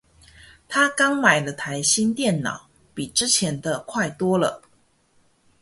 她刚买了台新电脑，比之前的快多了。